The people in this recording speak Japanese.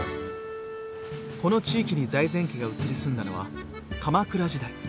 この地域に財前家が移り住んだのは鎌倉時代。